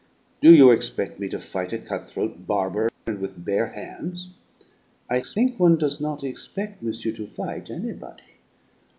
"Do you expect me to fight a cut throat barber, and with bare hands?" "I think one does not expec' monsieur to fight anybody.